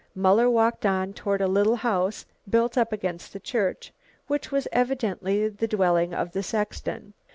Muller walked on toward a little house built up against the church, which was evidently the dwelling of the sexton.